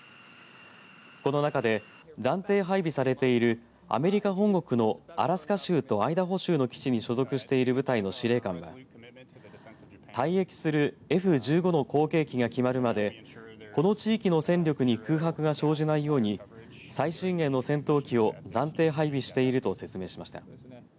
この中で暫定配備されているアメリカ本国のアラスカ州とアイダホ州の基地に所属している部隊の司令官は退役するＦ１５の後継機が決まるまでこの地域の戦力に空白が生じないように最新鋭の戦闘機を暫定配備していると説明しました。